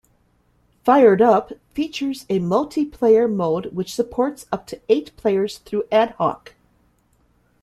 "Fired Up" features a multiplayer mode which supports up to eight players, through ad-hoc.